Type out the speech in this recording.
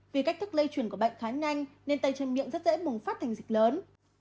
vì cách thức lây chuyển của bệnh khá nhanh nên tay chân miệng rất dễ bùng phát thành dịch lớn